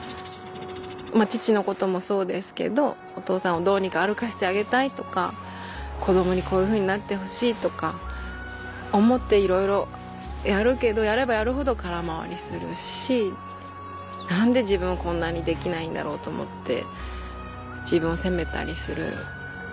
父のこともそうですけどお父さんをどうにか歩かせてあげたいとか子供にこういうふうになってほしいとか思っていろいろやるけどやればやるほど空回りするし何で自分はこんなにできないんだろうと思って自分を責めたりする。